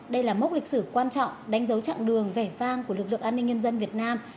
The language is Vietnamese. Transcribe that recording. đây là mốc lịch sử quan trọng đánh dấu chặng đường vẻ vang của lực lượng an ninh nhân dân việt nam